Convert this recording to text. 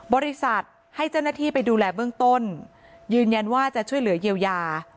บริษัทให้เจ้าหน้าที่ไปดูแลเบื้องต้นยืนยันว่าจะช่วยเหลือเยียวยา